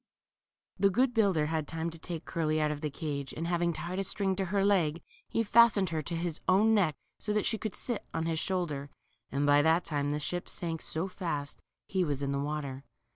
LITTLE CURLY. 129 The good builder had time to take Curly out of the cage, and having tied a string to her leg, he fastened her to his own neck so that she could sit on his shoulder ; and by that time the ship sank so fast, he was in the water.